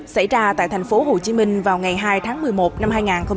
xảy ra tại tp hcm vào ngày hai tháng một mươi một năm hai nghìn một mươi tám